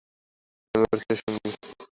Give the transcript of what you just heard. আমি ওর চিরসঙ্গী।